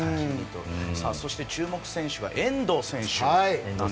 そして注目選手は遠藤選手。